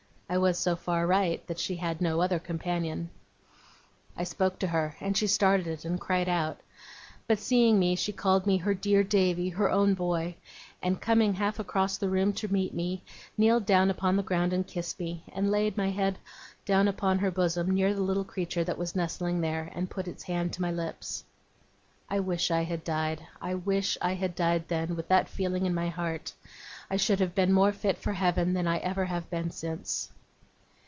I was so far right, that she had no other companion. I spoke to her, and she started, and cried out. But seeing me, she called me her dear Davy, her own boy! and coming half across the room to meet me, kneeled down upon the ground and kissed me, and laid my head down on her bosom near the little creature that was nestling there, and put its hand to my lips. I wish I had died. I wish I had died then, with that feeling in my heart! I should have been more fit for Heaven than I ever have been since.